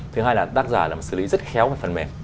thứ hai là tác giả làm xử lý rất khéo về phần mềm